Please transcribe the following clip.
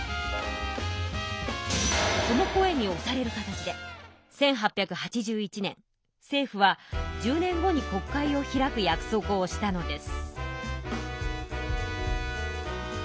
その声におされる形で１８８１年政府は十年後に国会を開く約束をしたのです。